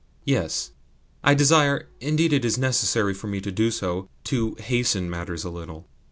"Yes. I desire indeed, it is necessary for me so to do to hasten matters a little.